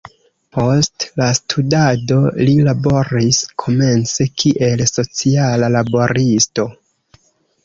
Post la studado, li laboris komence kiel sociala laboristo.